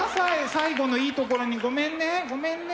最後のいいところにごめんね。